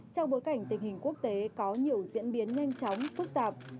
trong bối cảnh tình hình quốc tế có nhiều diễn biến nhanh chóng phức tạp